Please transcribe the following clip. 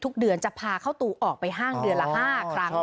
เดือนจะพาเข้าตูออกไปห้างเดือนละ๕ครั้ง